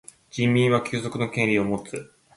人民は休息の権利をもつ。